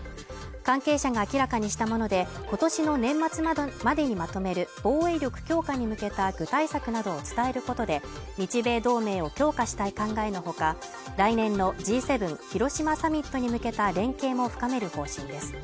関係者が明らかにしたもので今年の年末までにまとめる防衛力強化に向けた具体策などを伝えることで日米同盟を強化したい考えのほか来年のＧ７広島サミットに向けた連携も深める方針です